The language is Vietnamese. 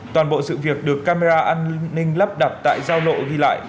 toàn bộ sự việc được camera an ninh lắp đặt tại giao lộ ghi lại